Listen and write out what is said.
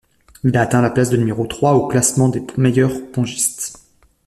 Il a atteint la place de numéro trois au classement des meilleurs pongistes.